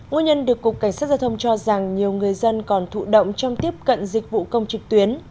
nguồn nhân được cục cảnh sát giao thông cho rằng nhiều người dân còn thụ động trong tiếp cận dịch vụ công trực tuyến